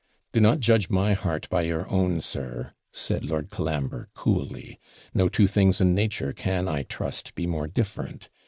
'Do not judge my heart by your own, sir,' said Lord Colambre, coolly; 'no two things in nature can, I trust, be more different.